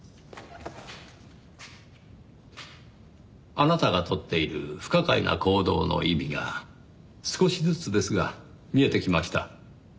あなたがとっている不可解な行動の意味が少しずつですが見えてきました。